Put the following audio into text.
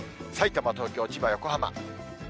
さいたま、東京、千葉、横浜。